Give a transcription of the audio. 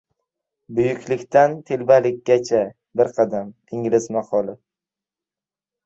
Buyuklikdan telbalikkacha ― bir qadam. Ingliz maqoli